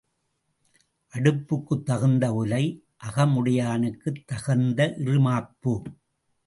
அடுப்புக்குத் தகுந்த உலை, அகமுடையானுக்குத் தகுந்த இறுமாப்பு.